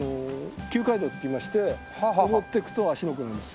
旧街道っていいまして上っていくと芦ノ湖なんですよ。